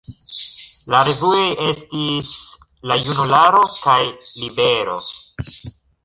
La revuoj estis "La Junularo" kaj "Libero".